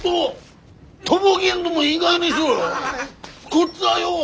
こっちはよ